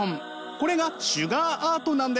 これがシュガーアートなんです。